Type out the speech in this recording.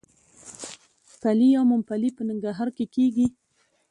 پلی یا ممپلی په ننګرهار کې کیږي.